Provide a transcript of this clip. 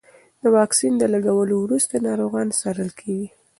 د واکسین د لګولو وروسته ناروغان څارل کېږي.